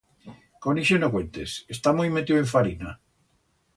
Con ixe no cuentes, está muit metiu en farina.